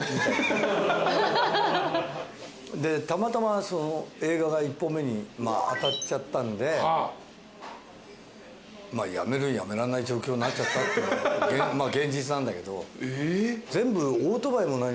でたまたま映画が１本目に当たっちゃったんでやめるにやめられない状況になっちゃったっていうまあ現実なんだけど。え。